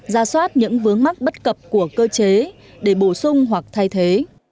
ra soát những vướng mắc bất cập của cơ chế để bổ sung hoặc thay thế